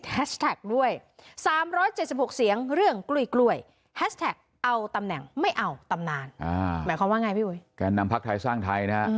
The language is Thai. หมายความว่าไงพี่บุยการนำพักทายสร้างไทยนะฮะ